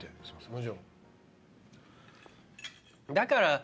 もちろん。